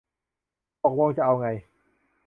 ตกลงจะเอาไง